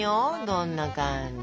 どんな感じ？